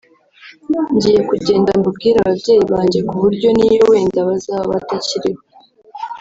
ngiye kugenda mbubwire ababyeyi banjye ku buryo n’ iyo wenda bazaba batakiriho